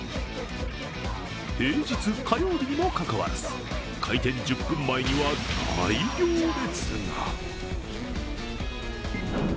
平日・火曜日にもかかわらず、開店１０分前には大行列が。